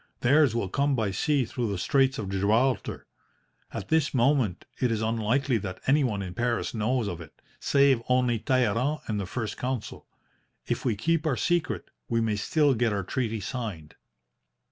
Theirs will come by sea through the Straits of Gibraltar. At this moment it is unlikely that anyone in Paris knows of it, save only Talleyrand and the First Consul. If we keep our secret, we may still get our treaty signed.'